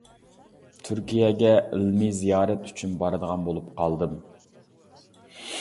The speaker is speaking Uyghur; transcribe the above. تۈركىيەگە ئىلمىي زىيارەت ئۈچۈن بارىدىغان بولۇپ قالدىم.